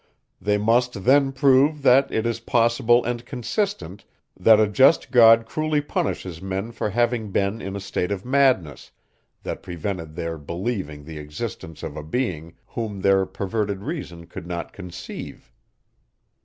They must then prove, that it is possible and consistent, that a just God cruelly punishes men for having been in a state of madness, that prevented their believing the existence of a being, whom their perverted reason could not conceive.